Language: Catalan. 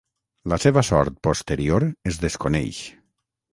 La seva sort posterior es desconeix.